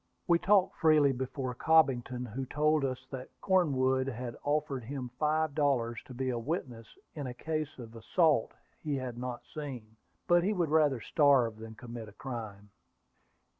We talked freely before Cobbington, who told us that Cornwood had offered him five dollars to be a witness in a case of assault he had not seen; but he would rather starve than commit a crime.